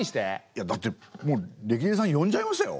いやだってもうレキデリさん呼んじゃいましたよ。